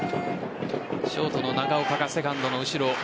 ショートの長岡がセカンドの後ろ。